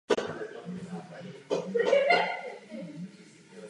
Utrpěl však zdrcující porážku v bitvě u Lucky.